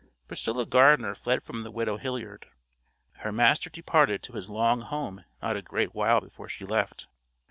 Priscilla Gardener fled from the widow Hilliard. Her master departed to his long home not a great while before she left.